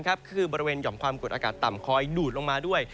คือบริเวณหย่อมความกดอากาศต่ำคอยดูดลงมาด้วย